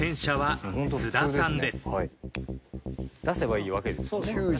出せばいいわけですね。